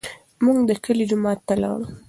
موږ د کلي جومات ته لاړو.